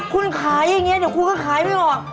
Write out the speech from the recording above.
คุณขายอย่างนี้เดี๋ยวคุณก็ขายไม่ออก